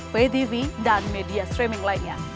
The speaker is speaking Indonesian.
btv dan media streaming lainnya